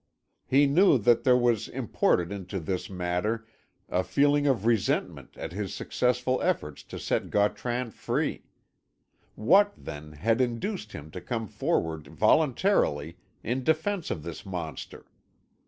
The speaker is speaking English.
He knew that there was imported into this matter a feeling of resentment at his successful efforts to set Gautran free. What, then, had induced him to come forward voluntarily in defence of this monster?